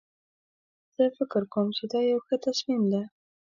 زه فکر کوم چې دا یو ښه تصمیم ده